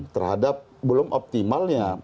terhadap belum optimalnya